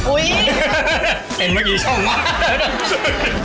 อุ๊ยเองเมื่อกี้ชอบมาก